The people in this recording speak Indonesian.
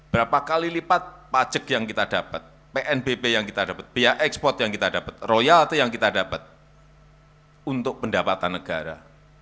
berapa kali lipat pajak yang kita dapat pnbp yang kita dapat biaya ekspor yang kita dapat royal itu yang kita dapat untuk pendapatan negara